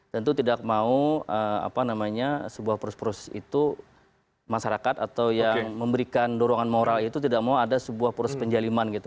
tentu tidak mau apa namanya sebuah proses proses itu masyarakat atau yang memberikan dorongan moral itu tidak mau ada sebuah proses penjaliman gitu